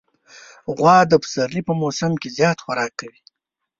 غوا د پسرلي په موسم کې زیات خوراک کوي.